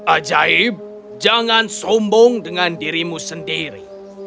ajaib jangan sombong dengan dirimu sendiri